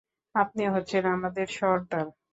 আপনি হচ্ছেন আমাদের সর্দার।